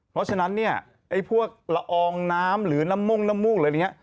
เพราะฉะนั้นพวกละอองน้ำหรือน้ำมุ้งน้ำมุ้งอะไรอย่างนี้